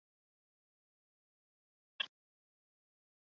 丸之内线与千代田线的转乘必须经过日比谷线月台。